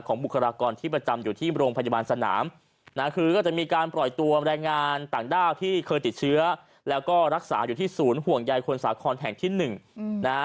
บุคลากรที่ประจำอยู่ที่โรงพยาบาลสนามนะคือก็จะมีการปล่อยตัวแรงงานต่างด้าวที่เคยติดเชื้อแล้วก็รักษาอยู่ที่ศูนย์ห่วงใยคนสาครแห่งที่หนึ่งนะฮะ